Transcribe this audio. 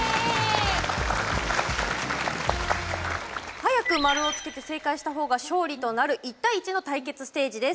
早く丸をつけて正解した方が勝利となる１対１の対決ステージです。